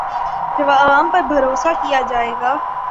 جب عوام پر بھروسہ کیا جائے گا۔